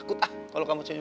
gua gak like banget nih